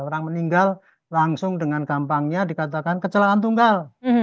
orang meninggal langsung dengan gampangnya dikatakan kecelakaan tunggal